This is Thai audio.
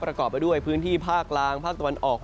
ประกอบไปด้วยพื้นที่ภาคกลางภาคตะวันออก